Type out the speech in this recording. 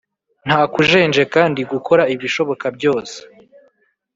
Nta kujenjeka, ndi gukora ibishoboka byose